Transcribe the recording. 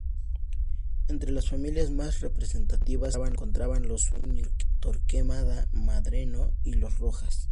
Entre las familias más representativas se encontraban los Zúñiga, Torquemada, Medrano y los Rojas.